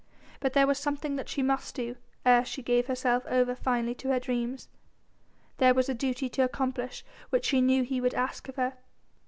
But there was something that she must do ere she gave herself over finally to her dreams; there was a duty to accomplish which she knew he would ask of her.